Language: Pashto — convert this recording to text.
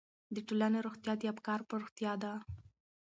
د ټولنې روغتیا د افکارو په روغتیا ده.